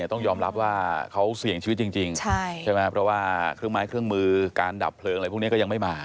ต้องยอมรับว่าเขาเสี่ยงชีวิตจริงใช่ไหมเพราะว่าเครื่องไม้เครื่องมือการดับเพลิงอะไรพวกนี้ก็ยังไม่มา